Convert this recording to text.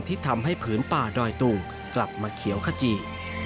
ที่ทำให้ผืนป่าดอยตุงกลับมาเขียวขจี